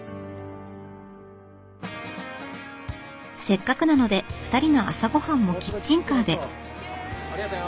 せっかくなので２人の朝ごはんもキッチンカーで。